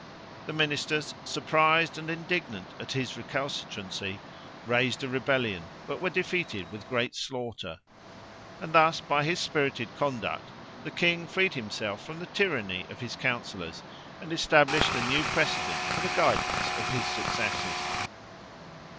The ministers, surprised and indignant at his recalcitrancy, raised a rebellion, but were defeated with great slaughter, and thus by his spirited conduct the king freed himself from the tyranny of his councillors and established a new precedent for the guidance of his successors.